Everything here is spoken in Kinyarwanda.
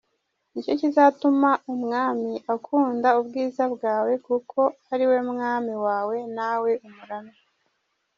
Ni cyo kizatuma umwami akunda ubwiza bwawe, Kuko ari we mwami wawe nawe umuramye.